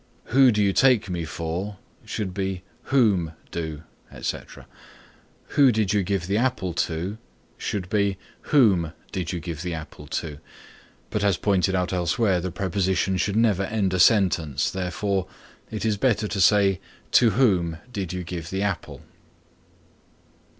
"Who do you take me for?" should be "Whom do, etc." "Who did you give the apple to?" should be "Whom did you give the apple to," but as pointed out elsewhere the preposition should never end a sentence, therefore, it is better to say, "To whom did you give the apple?"